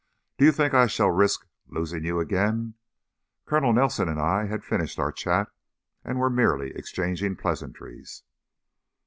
Do you think I shall risk losing you again? Colonel Nelson and I had finished our chat and were merely exchanging pleasantries."